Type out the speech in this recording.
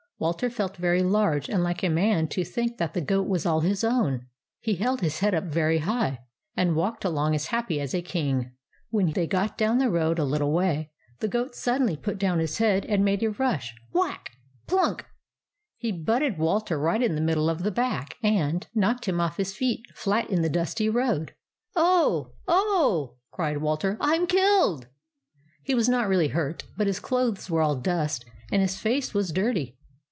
Walter felt very large and like a man to think that the goat was all his own. He held his head up very high, and walked along as happy as a king. When they got down the road a little way, the goat suddenly put down his head and made a rush — whack ! plunk ! he butted Walter right in the middle of the back and knocked him off his feet flat in the dusty road. " Oh ! Oh !" cried Walter. " I 'm killed !" He was not really hurt, but his clothes were all dust and his face was dirty.